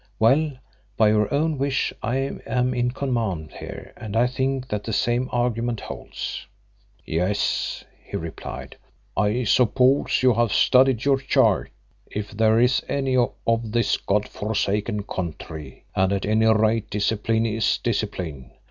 Well, by your own wish I am in command here and I think that the same argument holds." "Yes," he replied. "I suppose you have studied your chart, if there is any of this God forsaken country, and at any rate discipline is discipline.